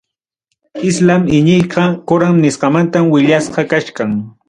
Islam iñiyqa, Coran nisqamantam willasqa kachkan.